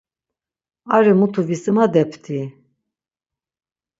Ari mutu visimadepti?